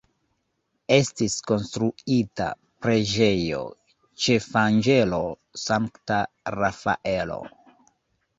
Estis konstruita preĝejo ĉefanĝelo Sankta Rafaelo.